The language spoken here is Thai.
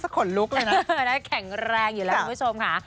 แข็งแรงอยู่แล้วคุณผู้ชมค่ะ